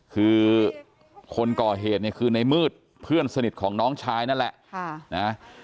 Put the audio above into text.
คือคนก่อเหตุเนี่ยคือในมืดเพื่อนสนิทของน้องชายนั่นแหละ